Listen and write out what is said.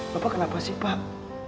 bapak kenapa sih pak